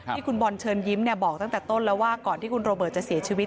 ที่คุณบอลเชิญยิ้มบอกตั้งแต่ต้นแล้วว่าก่อนที่คุณโรเบิร์ตจะเสียชีวิต